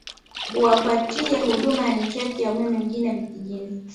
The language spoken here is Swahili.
kuwapatia huduma ya nishati ya umeme mjini na vijijini